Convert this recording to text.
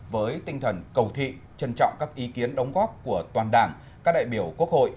với tinh thần cầu thị trân trọng các ý kiến đóng góp của toàn đảng các đại biểu quốc hội